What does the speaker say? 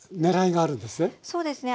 そうですね